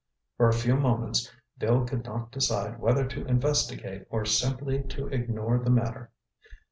For a few moments Bill could not decide whether to investigate or simply to ignore the matter.